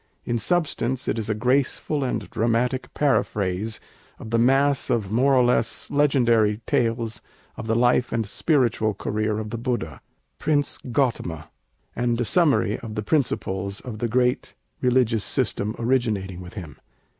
In substance it is a graceful and dramatic paraphrase of the mass of more or less legendary tales of the life and spiritual career of the Buddha, Prince Gautama, and a summary of the principles of the great religious system originating with him.